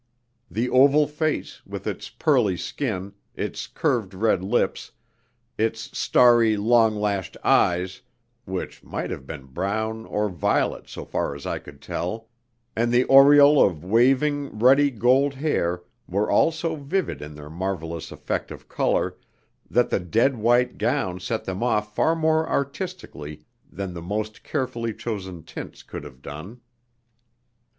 The oval face, with its pearly skin, its curved red lips, its starry, long lashed eyes (which might have been brown or violet, so far as I could tell), and the aureole of waving, ruddy gold hair were all so vivid in their marvelous effect of colour, that the dead white gown set them off far more artistically than the most carefully chosen tints could have done.